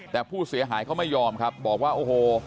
แต่ผู้เสียหายเขาไม่ยอมครับบอกว่าโอ้โห